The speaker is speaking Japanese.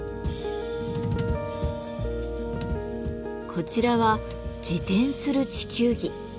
こちらは自転する地球儀。